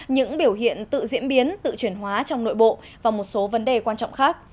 những biểu hiện tự diễn biến tự chuyển hóa trong nội bộ và một số vấn đề quan trọng khác